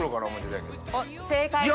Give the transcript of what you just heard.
正解です！